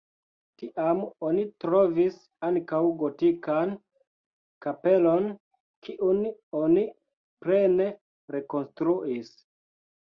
Tiam oni trovis ankaŭ gotikan kapelon, kiun oni plene rekonstruis.